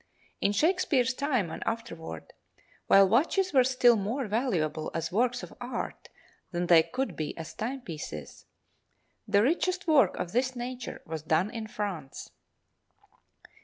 In Shakespeare's time and afterward, while watches were still more valuable as works of art than they could be as timepieces, the richest work of this nature was done in France.